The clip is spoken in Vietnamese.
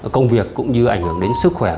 công việc cũng như ảnh hưởng đến sức khỏe